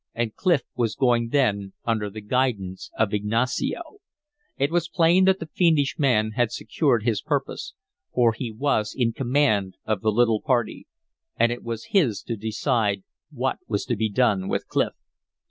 And Clif was going then under the guidance of Ignacio. It was plain that the fiendish man had secured his purpose, for he was in command of the little party. And it was his to decide what was to be done with Clif.